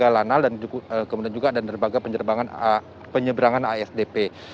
dan di sini pun ada nermaga lanal dan kemudian juga ada nermaga penyeberangan asdp